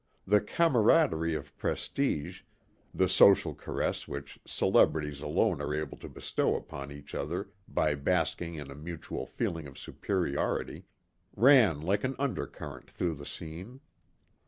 The camaraderie of prestige the social caress which celebrities alone are able to bestow upon each other by basking in a mutual feeling of superiority ran like an undercurrent through the scene.